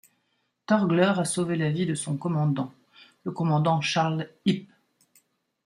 Torgler a sauvé la vie de son commandant, le commandant Charles Hipp.